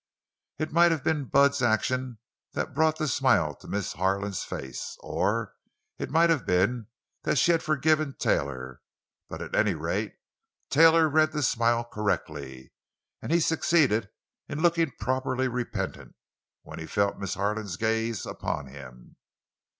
It might have been Bud's action that brought the smile to Miss Harlan's face, or it might have been that she had forgiven Taylor. But at any rate Taylor read the smile correctly, and he succeeded in looking properly repentant when he felt Miss Harlan's gaze upon him.